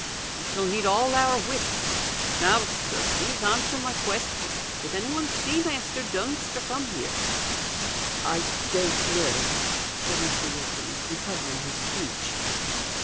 We shall need all our wits. Now, sir, please answer my question. Did anyone see Measter Dunster come here?" "I don't know," said Mr. Wilkins, recovering his speech.